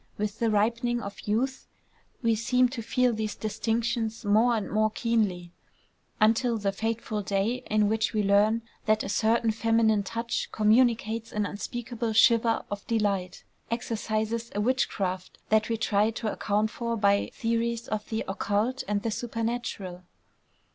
With the ripening of youth we seem to feel these distinctions more and more keenly, until the fateful day in which we learn that a certain feminine touch communicates an unspeakable shiver of delight, exercises a witchcraft that we try to account for by theories of the occult and the supernatural.